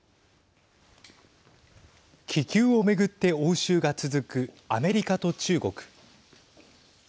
気球を巡って応酬が続くアメリカと中国。